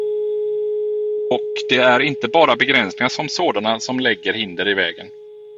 Och det är inte bara begränsningarna som sådana som lägger hinder i vägen.